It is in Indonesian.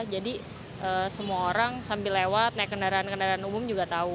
jadi semua orang sambil lewat naik kendaraan kendaraan umum juga tahu